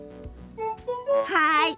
はい。